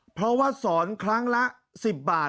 เพราะว่าสอนครั้งละ๑๐บาท